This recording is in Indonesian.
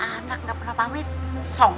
anaknya berapa ini